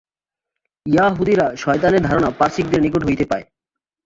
য়াহুদীরা শয়তানের ধারণা পারসীকদের নিকট হইতে পায়।